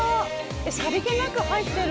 さりげなく入ってる。